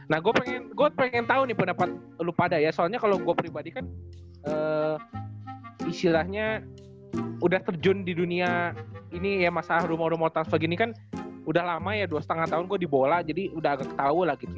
nah gue pengen tahu nih pendapat lupa dah ya soalnya kalau gue pribadi kan istilahnya udah terjun di dunia ini ya masalah rumah rumah transfer gini kan udah lama ya dua lima tahun gue di bola jadi udah tau lah gitu